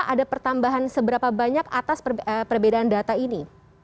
ada pertambahan seberapa banyak atas perbedaan data ini